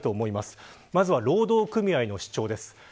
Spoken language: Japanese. まずは労働組合の主張です。